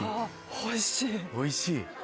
おいしい？